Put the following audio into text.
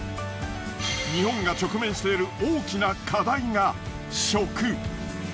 日本が直面している大きな課題が食。